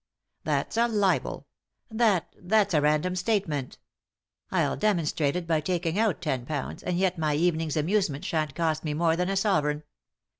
" That's a libel ; that — that's a random statement I'll demonstrate it by taking out ten pounds, and yet my evening's amusement shan't cost me more than a sovereign.